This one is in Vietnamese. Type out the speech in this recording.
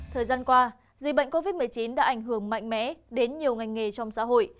thời gian qua dịch bệnh covid một mươi chín đã ảnh hưởng mạnh mẽ đến nhiều ngành nghề trong xã hội